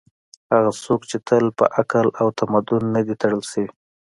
هغه څوک چې په عقل او تمدن نه دي تړل شوي